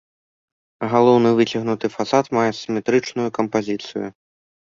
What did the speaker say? Галоўны выцягнуты фасад мае сіметрычную кампазіцыю.